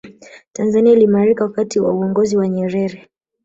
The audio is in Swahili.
tanzania iliimarika wakati wa uongozi wa nyerere